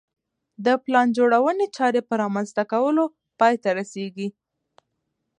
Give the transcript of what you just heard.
د پلان جوړونې چارې په رامنځته کولو پای ته رسېږي